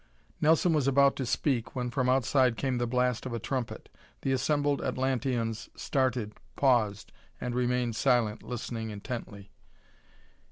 Nelson was about to speak when from outside came the blast of a trumpet. The assembled Atlanteans started, paused, and remained silent, listening intently.